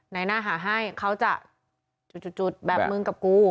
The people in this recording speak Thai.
นายหน้าหาให้เขาจะจุดแบบมึงกับกู